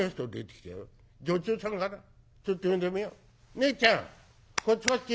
ねえちゃんこっちこっち。